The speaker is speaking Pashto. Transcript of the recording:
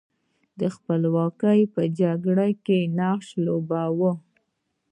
د خپلواکۍ په جګړه کې نقش ولوباوه.